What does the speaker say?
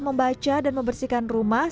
membaca dan membersihkan rumah